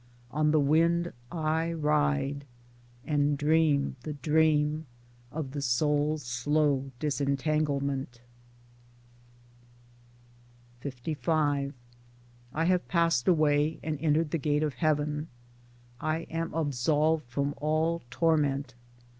On the wind I ride, And dream the dream of the soul's slow disentanglement ; Towards Democracy 87 LV I have passed away and entered the gate of heaven. 1 am absolved from all torment.